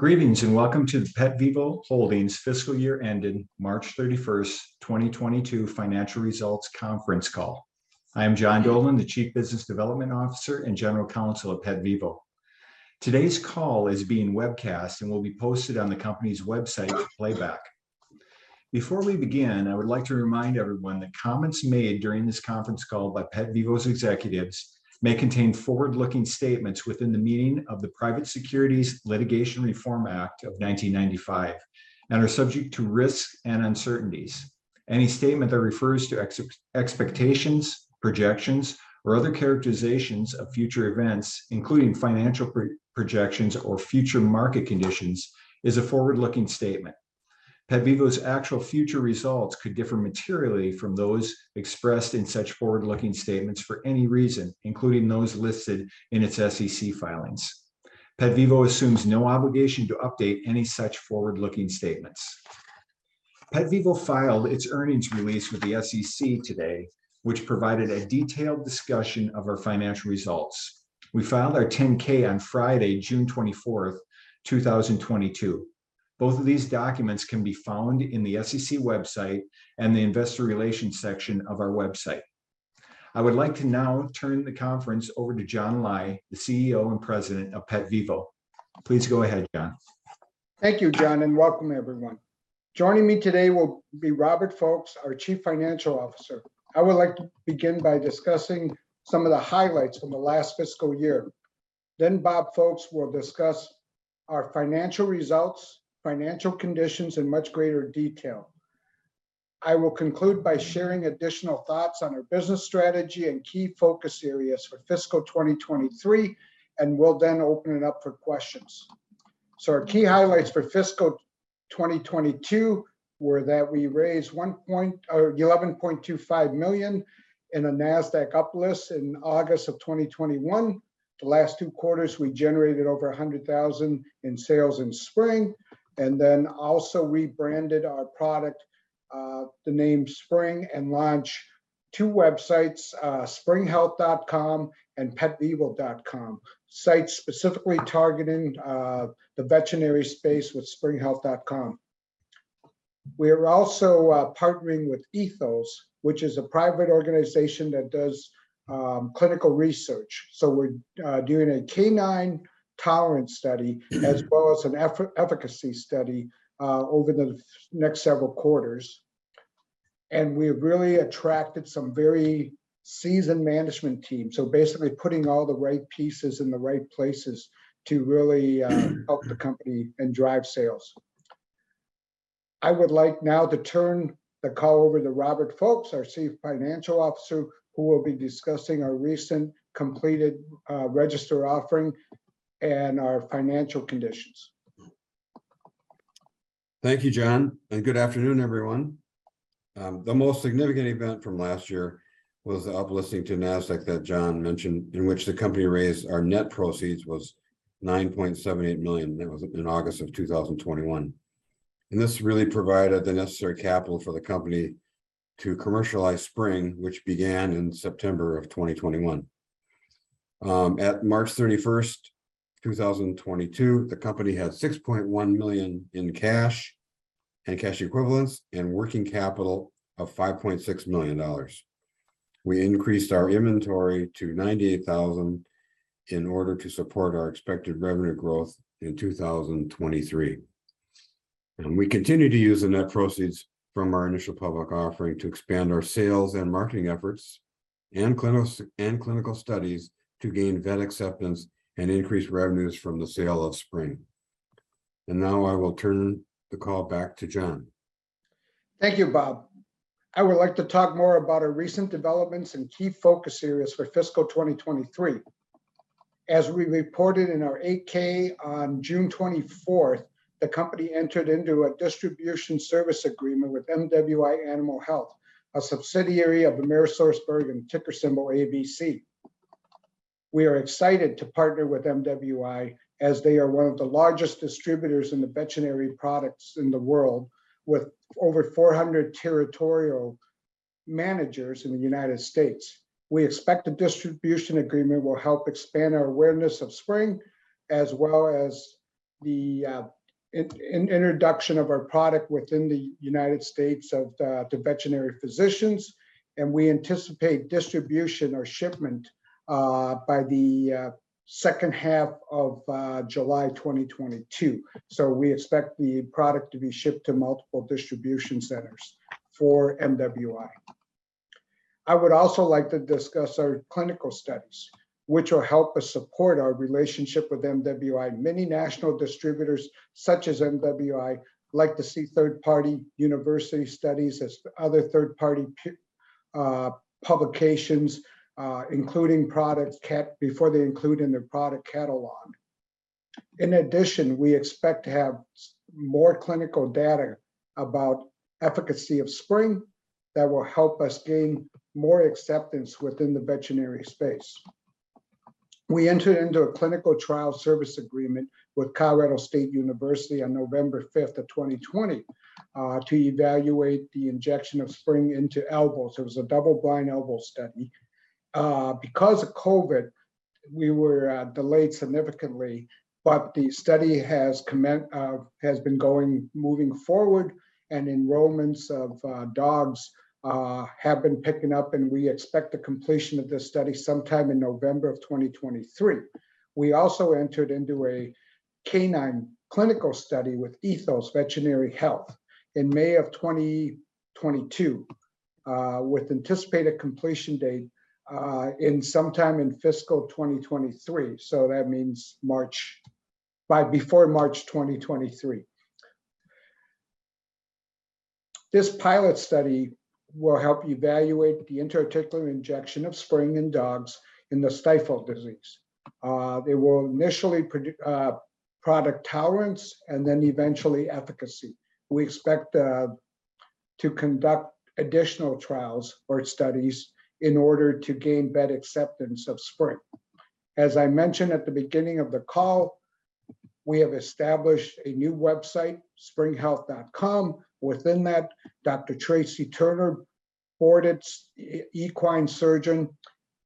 Greetings, and welcome to the PetVivo Holdings fiscal year ending March 31st, 2022 financial results conference call. I am John Dolan, the Chief Business Development Officer and General Counsel of PetVivo. Today's call is being webcast and will be posted on the company's website for playback. Before we begin, I would like to remind everyone that comments made during this conference call by PetVivo's executives may contain forward-looking statements within the meaning of the Private Securities Litigation Reform Act of 1995, and are subject to risks and uncertainties. Any statement that refers to expectations, projections, or other characterizations of future events, including financial projections or future market conditions, is a forward-looking statement. PetVivo's actual future results could differ materially from those expressed in such forward-looking statements for any reason, including those listed in its SEC filings. PetVivo assumes no obligation to update any such forward-looking statements. PetVivo filed its earnings release with the SEC today, which provided a detailed discussion of our financial results. We filed our 10-K on Friday, June 24th, 2022. Both of these documents can be found in the SEC website and the investor relations section of our website. I would like to now turn the conference over to John Lai, the CEO and President of PetVivo. Please go ahead, John. Thank you, John, and welcome everyone. Joining me today will be Robert Folkes, our Chief Financial Officer. I would like to begin by discussing some of the highlights from the last fiscal year, then Bob Folkes will discuss our financial results, financial conditions in much greater detail. I will conclude by sharing additional thoughts on our business strategy and key focus areas for fiscal 2023, and we'll then open it up for questions. Our key highlights for fiscal 2022 were that we raised $11.25 million in a NASDAQ uplist in August of 2021. The last two quarters, we generated over $100,000 in sales in Spryng, and then also rebranded our product, the name Spryng, and launched two websites, sprynghealth.com and petvivo.com. Sites specifically targeting the veterinary space with sprynghealth.com. We're also partnering with Ethos, which is a private organization that does clinical research. We're doing a canine tolerance study as well as an efficacy study over the next several quarters, and we've really attracted some very seasoned management team. Basically putting all the right pieces in the right places to really help the company and drive sales. I would like now to turn the call over to Robert Folkes, our Chief Financial Officer, who will be discussing our recently completed registered offering and our financial condition. Thank you, John, and good afternoon, everyone. The most significant event from last year was the uplisting to NASDAQ that John mentioned, in which the company raised, our net proceeds was $9.78 million. That was in August of 2021. This really provided the necessary capital for the company to commercialize Spryng, which began in September of 2021. At March 31st, 2022, the company had $6.1 million in cash and cash equivalents, and working capital of $5.6 million. We increased our inventory to 98,000 in order to support our expected revenue growth in 2023. We continue to use the net proceeds from our initial public offering to expand our sales and marketing efforts and clinical studies to gain vet acceptance and increase revenues from the sale of Spryng. Now I will turn the call back to John. Thank you, Bob. I would like to talk more about our recent developments and key focus areas for fiscal 2023. As we reported in our 8-K on June 24th, the company entered into a distribution service agreement with MWI Animal Health, a subsidiary of AmerisourceBergen, ticker symbol ABC. We are excited to partner with MWI, as they are one of the largest distributors in the veterinary products in the world, with over 400 territorial managers in the United States. We expect the distribution agreement will help expand our awareness of Spryng, as well as the introduction of our product within the United States to veterinary physicians, and we anticipate distribution or shipment by the second half of July 2022. We expect the product to be shipped to multiple distribution centers for MWI. I would also like to discuss our clinical studies, which will help us support our relationship with MWI. Many national distributors such as MWI like to see third-party university studies as other third-party publications, including product catalog before they include in their product catalog. In addition, we expect to have more clinical data about efficacy of Spryng that will help us gain more acceptance within the veterinary space. We entered into a clinical trial service agreement with Colorado State University on November 5th, 2020, to evaluate the injection of Spryng into elbows. It was a double-blind elbow study. Because of COVID, we were delayed significantly, but the study has been moving forward, and enrollments of dogs have been picking up, and we expect the completion of this study sometime in November 2023. We also entered into a canine clinical study with Ethos Veterinary Health in May 2022, with anticipated completion date in sometime in fiscal 2023, so that means by March 2023. This pilot study will help evaluate the intra-articular injection of Spryng in dogs in the stifle disease. It will initially product tolerance and then eventually efficacy. We expect to conduct additional trials or studies in order to gain vet acceptance of Spryng. As I mentioned at the beginning of the call, we have established a new website, sprynghealth.com. Within that, Dr. Tracy Turner, board-certified equine surgeon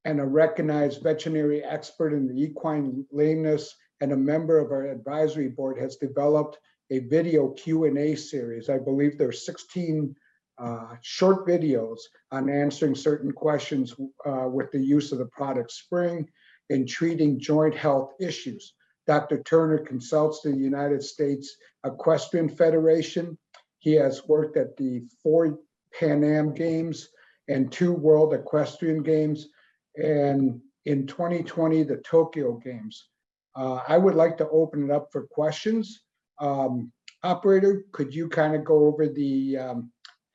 and a recognized veterinary expert in equine lameness and a member of our advisory board, has developed a video Q&A series. I believe there are 16 short videos on answering certain questions with the use of the product Spryng in treating joint health issues. Dr. Turner consults the United States Equestrian Federation. He has worked at the four Pan Am Games and two World Equestrian Games and, in 2020, the Tokyo Games. I would like to open it up for questions. Operator, could you kind of go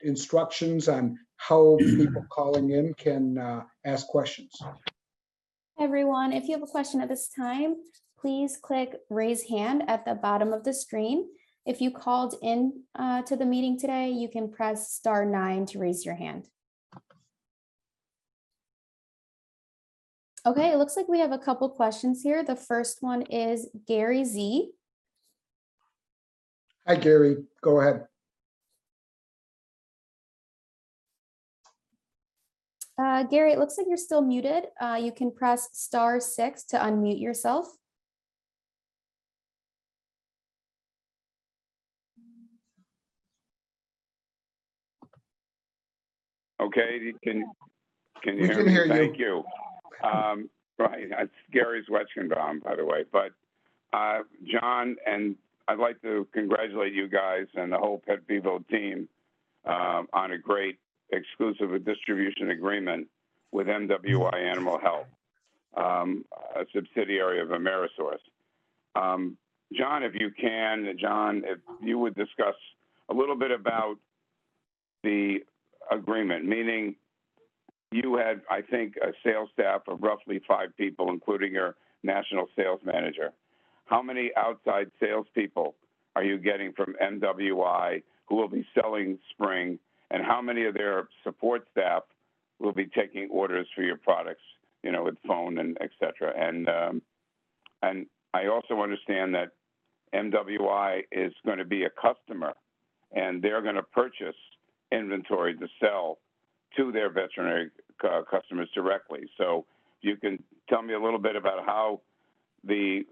over the instructions on how people calling in can ask questions? Everyone, if you have a question at this time, please click Raise Hand at the bottom of the screen. If you called in to the meeting today, you can press star nine to raise your hand. Okay. It looks like we have a couple questions here. The first one is Gary Z. Hi, Gary. Go ahead. Gary, it looks like you're still muted. You can press star six to unmute yourself. Okay. Can you hear me? We can hear you. Thank you. Right. It's Gary Zwetchkenbaum, by the way. John, I'd like to congratulate you guys and the whole PetVivo team on a great exclusive distribution agreement with MWI Animal Health, a subsidiary of AmerisourceBergen. John, if you would discuss a little bit about the agreement, meaning you had, I think, a sales staff of roughly five people, including your national sales manager. How many outside salespeople are you getting from MWI who will be selling Spryng, and how many of their support staff will be taking orders for your products, you know, with phone and et cetera? I also understand that MWI is gonna be a customer, and they're gonna purchase inventory to sell to their veterinary customers directly. You can tell me a little bit about how the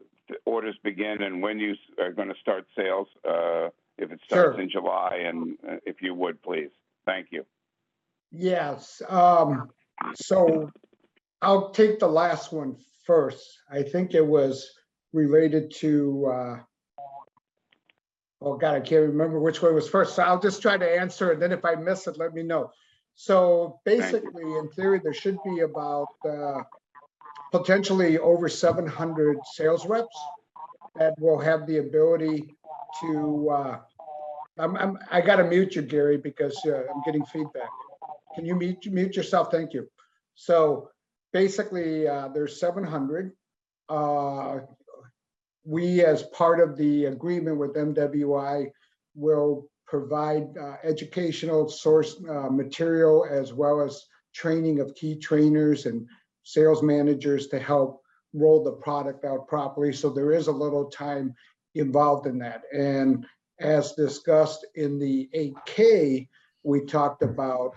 orders begin and when you are gonna start sales, if it starts? Sure ...in July and, if you would, please. Thank you. Yes. I'll take the last one first. I think it was related to, Oh, God, I can't remember which one was first. I'll just try to answer, and then if I miss it, let me know. Thank you. Basically, in theory, there should be about potentially over 700 sales reps that will have the ability to. I gotta mute you, Gary, because I'm getting feedback. Can you mute yourself? Thank you. Basically, there's 700. We, as part of the agreement with MWI, will provide educational resource material as well as training of key trainers and sales managers to help roll the product out properly, so there is a little time involved in that. As discussed in the 8-K, we talked about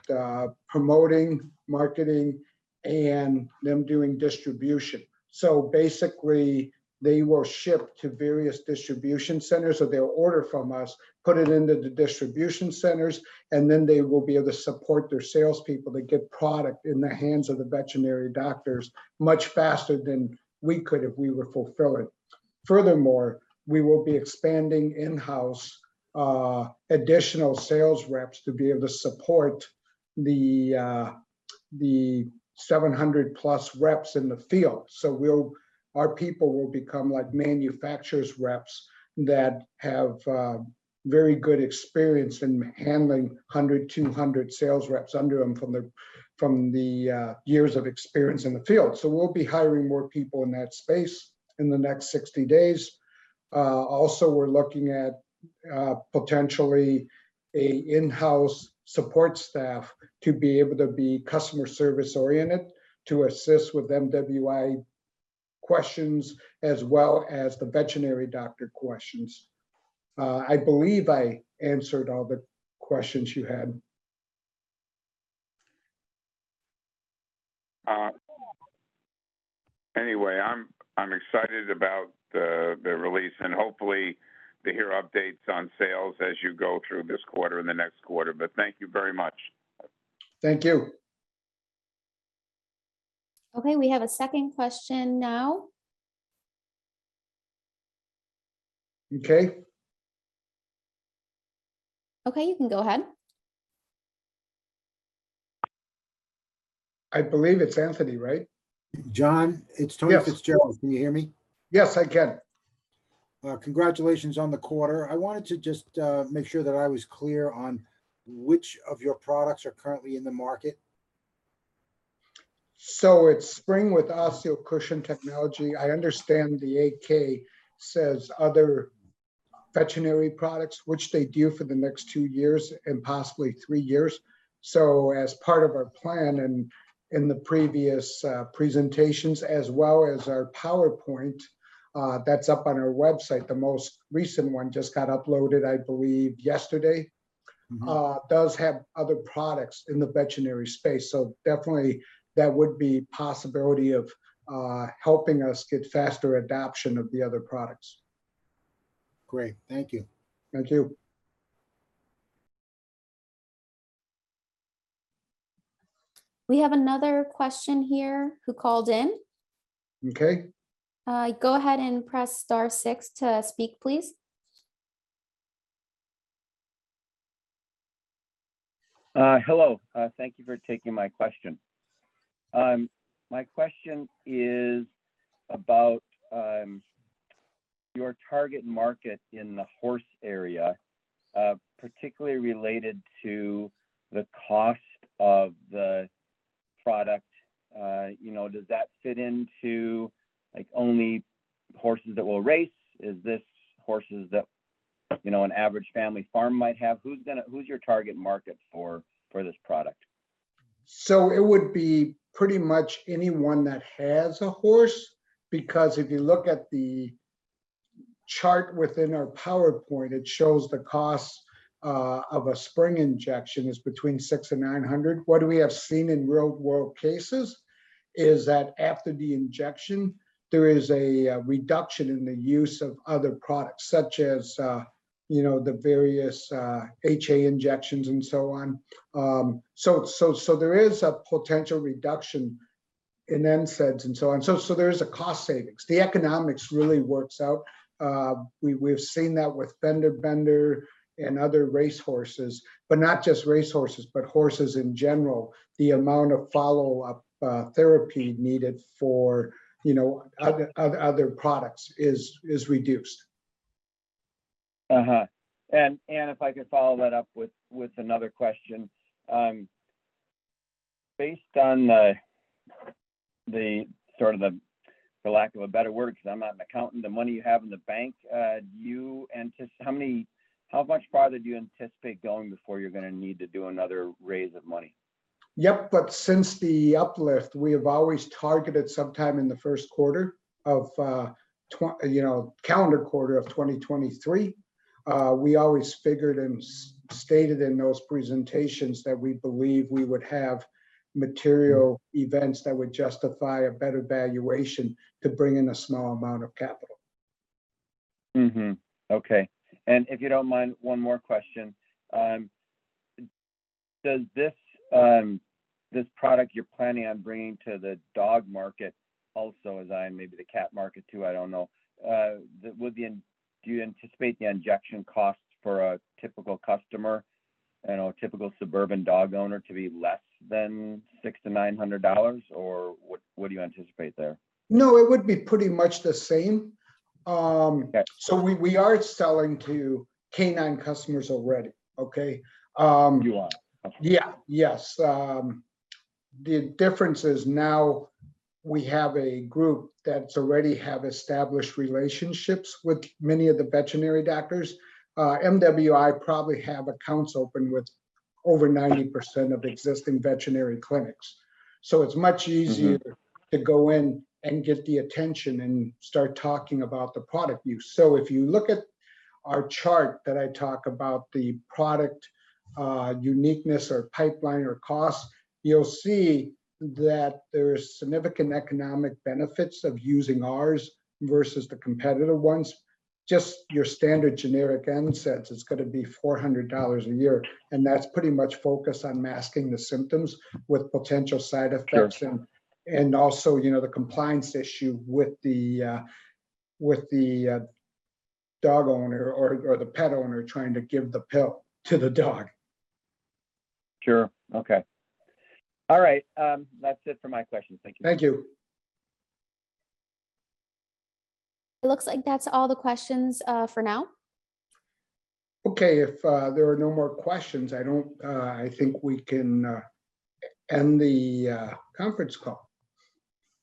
promoting, marketing, and them doing distribution. Basically, they will ship to various distribution centers. They'll order from us, put it into the distribution centers, and then they will be able to support their salespeople to get product in the hands of the veterinary doctors much faster than we could if we were fulfilling. Furthermore, we will be expanding in-house additional sales reps to be able to support the 700+ reps in the field. Our people will become like manufacturers reps that have very good experience in handling 100, 200 sales reps under them from the years of experience in the field. We'll be hiring more people in that space in the next 60 days. Also, we're looking at potentially an in-house support staff to be able to be customer service oriented to assist with MWI questions as well as the veterinary doctor questions. I believe I answered all the questions you had. Anyway, I'm excited about the release, and hopefully to hear updates on sales as you go through this quarter and the next quarter. Thank you very much. Thank you. Okay, we have a second question now. Okay. Okay, you can go ahead. I believe it's Anthony, right? John, it's Tony Fitzgerald. Yes, Tony. Can you hear me? Yes, I can. Congratulations on the quarter. I wanted to just make sure that I was clear on which of your products are currently in the market. It's Spryng with OsteoCushion Technology. I understand the 8-K says other veterinary products, which they do for the next two years and possibly three years. As part of our plan and in the previous presentations, as well as our PowerPoint, that's up on our website, the most recent one just got uploaded, I believe yesterday. Mm-hmm. It does have other products in the veterinary space, so definitely that would be a possibility of helping us get faster adoption of the other products. Great. Thank you. Thank you. We have another question here who called in. Okay. Go ahead and press star six to speak, please. Hello. Thank you for taking my question. My question is about your target market in the horse area, particularly related to the cost of the product. You know, does that fit into, like, only horses that will race? Is this horses that, you know, an average family farm might have? Who's your target market for this product? It would be pretty much anyone that has a horse, because if you look at the chart within our PowerPoint, it shows the cost of a Spryng injection is between $600-$900. What we have seen in real world cases is that after the injection, there is a reduction in the use of other products, such as you know, the various HA injections and so on. There is a potential reduction in NSAIDs and so on. There is a cost savings. The economics really works out. We've seen that with Bender and other racehorses, but not just racehorses, but horses in general. The amount of follow-up therapy needed for you know other products is reduced. If I could follow that up with another question. Based on the sort of, for lack of a better word, 'cause I'm not an accountant, the money you have in the bank, how much farther do you anticipate going before you're gonna need to do another raise of money? Yep. Since the uplift, we have always targeted sometime in the first quarter of calendar quarter of 2023. We always figured and stated in those presentations that we believe we would have material events that would justify a better valuation to bring in a small amount of capital. Mm-hmm. Okay. If you don't mind, one more question. Does this product you're planning on bringing to the dog market also maybe the cat market too, I don't know, do you anticipate the injection costs for a typical customer and a typical suburban dog owner to be less than $600-$900, or what do you anticipate there? No, it would be pretty much the same. Okay. We are selling to canine customers already, okay? You are? Okay. Yeah. Yes. The difference is now we have a group that's already have established relationships with many of the veterinary doctors. MWI probably have accounts open with over 90% of existing veterinary clinics. It's much easier. Mm-hmm to go in and get the attention and start talking about the product use. If you look at our chart that I talk about the product uniqueness or pipeline or cost, you'll see that there's significant economic benefits of using ours versus the competitor ones. Just your standard generic NSAIDs, it's gonna be $400 a year, and that's pretty much focused on masking the symptoms with potential side effects. Sure. Also, you know, the compliance issue with the dog owner or the pet owner trying to give the pill to the dog. Sure. Okay. All right. That's it for my questions. Thank you. Thank you. It looks like that's all the questions, for now. Okay. If there are no more questions, I think we can end the conference call.